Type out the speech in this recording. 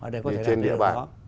ở đây có thể đạt được đó